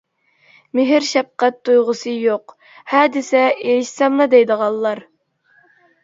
مېھىر-شەپقەت تۇيغۇسى يوق، ھە دېسە ئېرىشسەملا دەيدىغانلار.